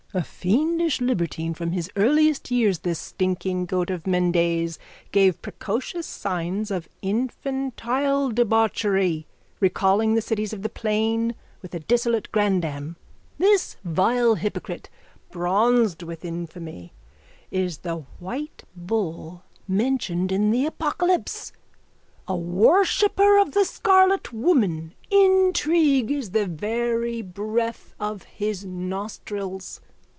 A fiendish libertine from his earliest years this stinking goat of Mendes gave precocious signs of infantile debauchery, recalling the cities of the plain, with a dissolute granddam. This vile hypocrite, bronzed with infamy, is the white bull mentioned in the Apocalypse. A worshipper of the Scarlet Woman, intrigue is the very breath of his nostrils.